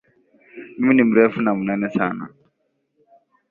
Mimi ni mrefu na mnene sana